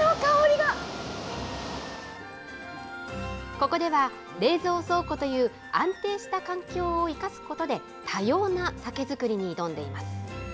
ここでは、冷蔵倉庫という安定した環境を生かすことで、多様な酒造りに挑んでいます。